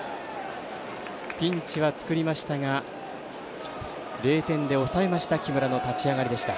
ピンチは作りましたが０点で抑えました木村の立ち上がりでした。